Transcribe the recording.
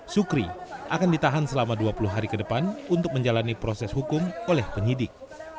sukri akan ditahan selama dua puluh hari ke depan untuk menjalani proses hukum oleh penyidik